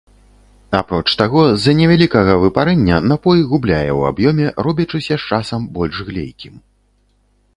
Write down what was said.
Апроч таго, з-за невялікага выпарэння напой губляе ў аб'ёме, робячыся з часам больш глейкім.